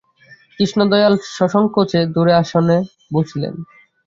কৃষ্ণদয়াল সসংকোচে দূরে আসনে বসিলেন।